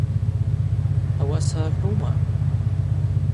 Ауаса рхӏвума?